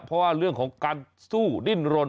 เพราะว่าเรื่องของการสู้ดิ้นรน